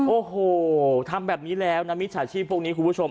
โอ้โหทำแบบนี้แล้วนะมิจฉาชีพพวกนี้คุณผู้ชม